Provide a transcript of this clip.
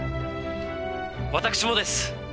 私もです。